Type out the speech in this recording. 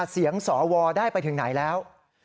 เสียงสวได้ไปถึงไหนแล้ว